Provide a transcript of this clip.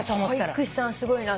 保育士さんはすごいな。